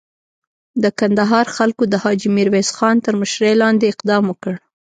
د کندهار خلکو د حاجي میرویس خان تر مشري لاندې اقدام وکړ.